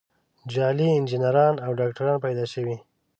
جعلي انجینران او ډاکتران پیدا شوي.